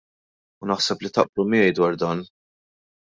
U naħseb li taqblu miegħi dwar dan.